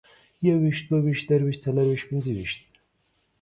يويشت، دوه ويشت، درويشت، څلرويشت، پينځويشت